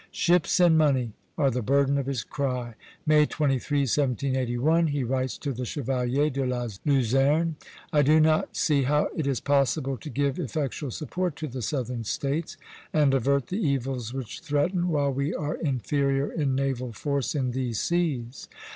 Ships and money are the burden of his cry. May 23, 1781, he writes to the Chevalier de la Luzerne: "I do not see how it is possible to give effectual support to the Southern States, and avert the evils which threaten, while we are inferior in naval force in these seas."